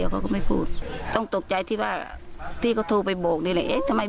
ก็เลยปรึกษานานาที่ขอก็พูดมา